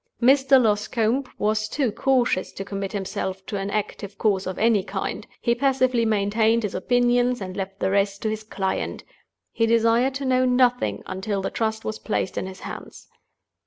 Mr. Loscombe was too cautious to commit himself to an active course of any kind; he passively maintained his opinions and left the rest to his client— he desired to know nothing until the Trust was placed in his hands.